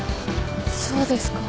そうですか。